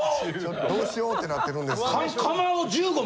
どうしようってなってるんです。